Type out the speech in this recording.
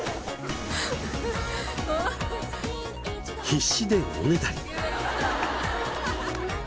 必死でおねだり。